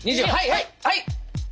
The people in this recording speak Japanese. はい！